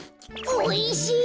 おいしい！